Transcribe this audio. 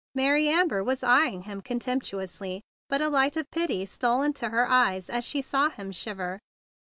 Mary Amber was eying him contempt¬ uously, but a light of pity stole into her eyes as she saw him shiver.